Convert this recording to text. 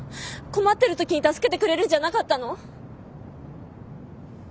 困ってる時に助けてくれるんじゃなかったの？